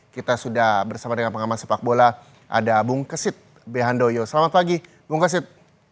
kita sudah bersama dengan pengaman sepak bola ada bung kesit behandoyo selamat pagi bung kesit